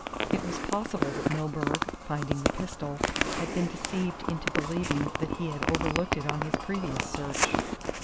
It was possible that Milburgh, finding the pistol, had been deceived into believing that he had overlooked it on his previous search.